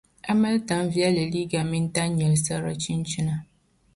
a mali tan'viɛlli liiga mini tan' nyɛlsirili chinchina.